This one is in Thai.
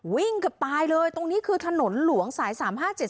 วิ่งกับไปเลยตรงนี้คือถนนหลวงสายสามห้าเจ็บ